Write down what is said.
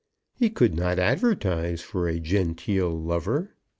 He could not advertise for a genteel lover.